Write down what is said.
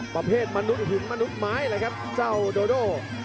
มนุษย์หึงมนุษย์ไม้เลยครับเจ้าโดโด